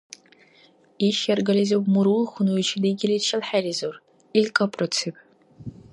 Иш яргализив мурул хьунуйчи дигиличил хӀеризур, ил кӀапӀруциб.